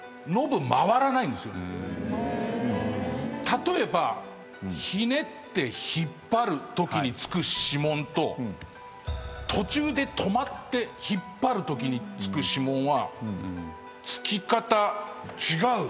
例えばひねって引っ張るときにつく指紋と途中で止まって引っ張るときにつく指紋はつき方違う。